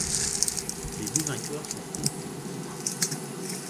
Les deux vainqueurs s'affrontent pour le titre.